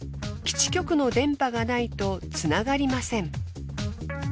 基地局の電波がないとつながりません。